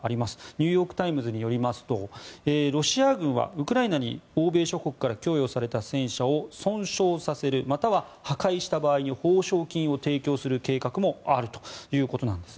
ニューヨーク・タイムズによりますとロシア軍はウクライナに欧米諸国から供与された戦車を損傷させるまたは破壊した場合に報奨金を提供する計画もあるということです。